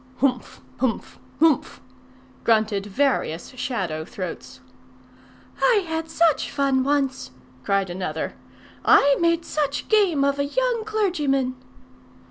"Humph! Humph! Humph!" grunted various shadow throats. "I had such fun once!" cried another. "I made such game of a young clergyman!"